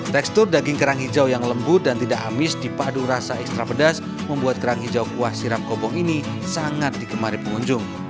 tekstur daging kerang hijau yang lembut dan tidak amis dipadu rasa ekstra pedas membuat kerang hijau kuah siram kobong ini sangat digemari pengunjung